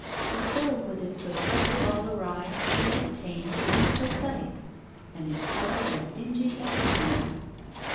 The stove, with its perspective all awry, was tame and precise, and in colour as dingy as mire.